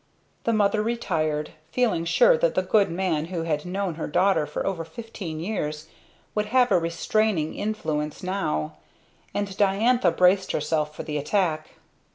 The mother retired, feeling sure that the good man who had known her daughter for over fifteen years would have a restraining influence now; and Diantha braced herself for the attack.